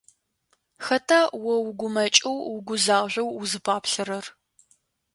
Хэта о угумэкӀэу угузажъоу узыпаплъэрэр?